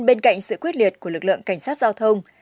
bên cạnh sự quyết liệt của lực lượng cảnh sát giao thông